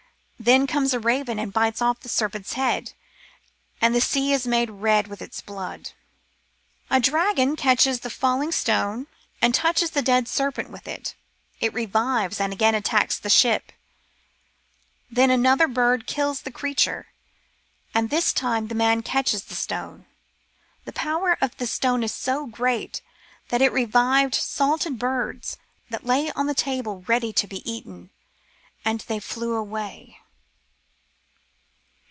Then comes a raven and bites off the serpent's head and the sea is made red with its blood. A dragon catches the falling stone and touches the dead serpent with it ; it revives and again attacks the ship. Then another bird kills the creature, and this time the man catches the stone. The power of the stone was so great that it revived salted birds that lay on the table ready to be eaten, and they flew away.